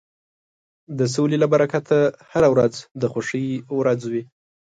د سولې له برکته هره ورځ د خوښۍ ورځ وي.